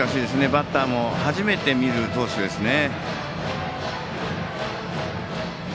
バッターも初めて見る投手ですね。